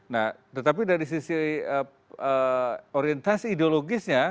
nah tetapi dari sisi orientasi ideologisnya